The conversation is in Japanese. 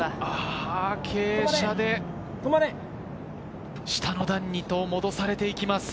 傾斜で下の段に戻されていきます。